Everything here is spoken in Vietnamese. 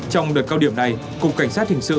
trong đợt cao điểm này cục cảnh sát hình sự